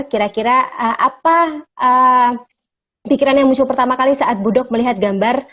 kira kira apa pikiran yang muncul pertama kali saat budok melihat gambar